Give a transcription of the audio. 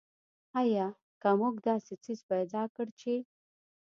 آیا که موږ داسې څیز پیدا کړ چې.